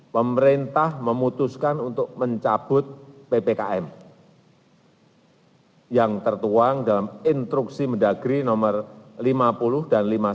pemerintah memutuskan untuk mencabut ppkm yang tertuang dalam instruksi mendagri nomor lima puluh dan